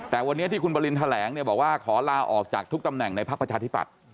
แต่วันนี้ที่คุณบริณภาลแหลงบอกว่าขอลาออกจากทุกตำแหน่งในภาคประชาธิบัติ